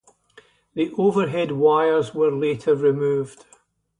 The overhead wires were later removed.